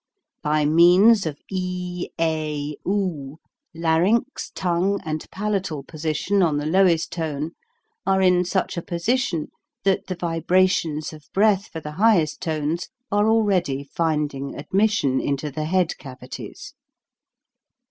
By means of e a oo, larynx, tongue, and palatal position on the lowest tone are in such a position that the vibrations of breath for the highest tones are already finding admission into the head cavities.